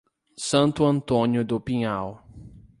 Santo Antônio do Pinhal